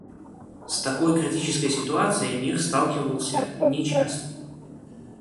С такой критической ситуацией мир сталкивался нечасто.